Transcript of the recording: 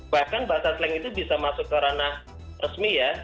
bahkan bahasa slang itu bisa masuk ke ranah resmi ya